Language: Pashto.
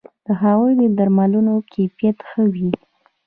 د هغوی د درملو کیفیت ښه وو